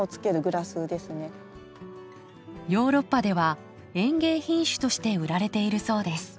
ヨーロッパでは園芸品種として売られているそうです。